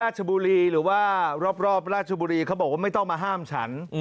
ชบุรีหรือว่ารอบราชบุรีเขาบอกว่าไม่ต้องมาห้ามฉัน